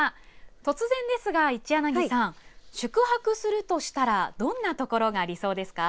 突然ですが一柳さん宿泊するとしたらどんな所が理想ですか。